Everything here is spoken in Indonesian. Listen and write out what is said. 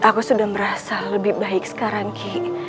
aku sudah merasa lebih baik sekarang ki